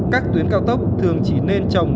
các tuyến cao tốc thường chỉ nên trồng